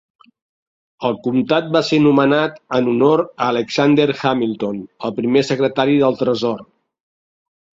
El comtat va ser nomenat en honor a Alexander Hamilton, el primer secretari del Tresor.